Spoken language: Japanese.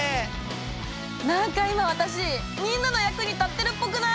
何か今私みんなの役に立ってるっぽくない？